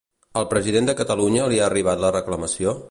Al president de Catalunya li ha arribat la reclamació?